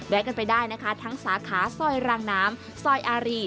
กันไปได้นะคะทั้งสาขาซอยรางน้ำซอยอารี